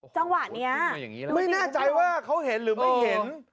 จังหวะนี้ไม่แน่ใจว่าเขาเห็นหรือไม่เห็น